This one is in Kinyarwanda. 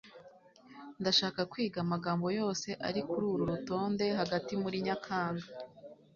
ndashaka kwiga amagambo yose ari kururu rutonde hagati muri nyakanga